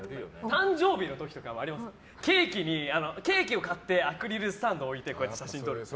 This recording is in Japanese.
誕生日の時とかはケーキを買ってアクリルスタンド置いて写真撮るんです。